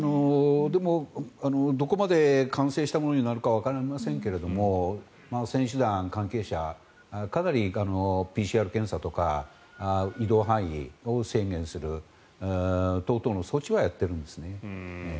でもどこまで完成したものになるかわかりませんけど選手団、関係者かなりＰＣＲ検査とか移動範囲を宣言する等々の措置はやってるんですね。